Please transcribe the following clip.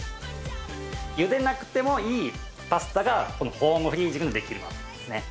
ゆでなくてもいいパスタがこのホームフリージングでできるんですね。